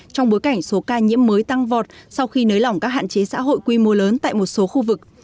trong bối cảnh số ca nhiễm mới tăng vọt sau khi nới lỏng các hạn chế xã hội quy mô lớn tại một số khu vực